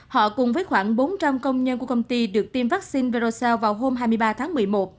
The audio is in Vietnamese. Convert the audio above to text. họ cùng với khoảng bốn trăm linh công nhân của công ty được tiêm vaccine brosa vào hôm hai mươi ba tháng một mươi một